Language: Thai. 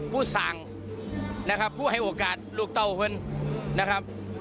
สั่งนะครับผู้ให้โอกาสลูกเต้าเคนนะครับ